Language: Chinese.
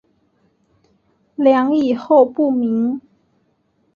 梁以后不明。